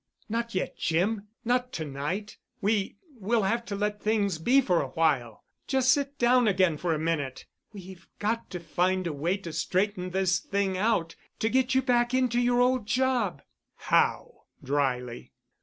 "Not yet, Jim. Not to night. We—we'll have to let things be for awhile. Just sit down again for a minute. We've got to find a way to straighten this thing out—to get you back into your old job——" "How?" dryly.